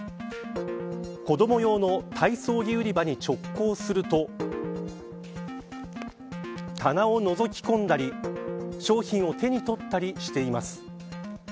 子ども用の体操着売り場に直行すると棚を覗き込んだり商品を手に取ったりしています。